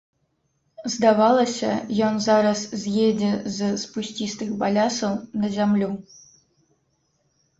Здавалася, ён зараз з'едзе з спусцістых балясаў на зямлю.